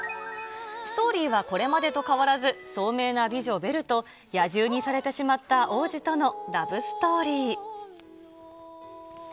ストーリーはこれまでと変わらず、聡明な美女ベルと、野獣にされてしまった王子とのラブストーリー。